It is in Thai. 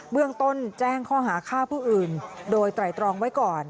เรื่องต้นแจ้งข้อหาฆ่าผู้อื่นโดยไตรตรองไว้ก่อน